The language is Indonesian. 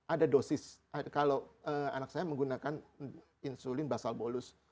ada dosis kalau anak saya menggunakan insulin basal bolus